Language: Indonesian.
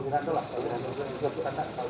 pak viranto lah